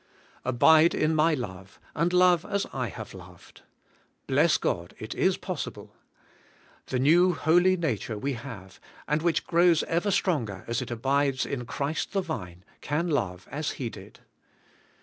Abide in my love, and love as I have loved. Bless God, it is possible. The new holy nature we have, and which grows ever stronger as it abides in Christ the Vine, can love as He did.